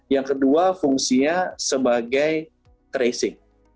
yang kedua fungsinya sebagai tracing